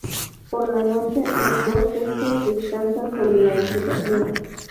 Por la noche, los dos sexos descansan sobre la vegetación.